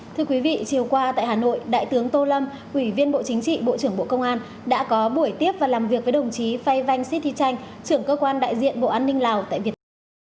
thưa quý vị chiều qua tại hà nội đại tướng tô lâm quỷ viên bộ chính trị bộ trưởng bộ công an đã có buổi tiếp và làm việc với đồng chí phay vanh sít thi tranh trưởng cơ quan đại diện bộ an ninh lào tại việt nam